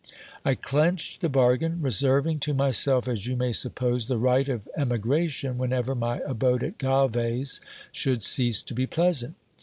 I clenched the bargain, reserving to myself, as you may suppose, the right of emigration whenever my abode at Galves should cease to be pleasant.